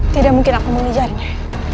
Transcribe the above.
tidak mungkin aku mau menjajarnya